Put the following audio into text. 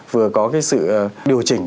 vừa có cái sự điều chỉnh